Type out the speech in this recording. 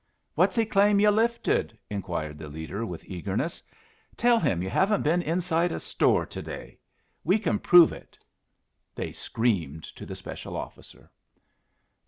"What's he claim you lifted?" inquired the leader, with eagerness. "Tell him you haven't been inside a store to day. We can prove it!" they screamed to the special officer.